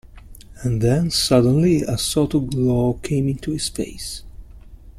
And then suddenly a sort of glow came into his face.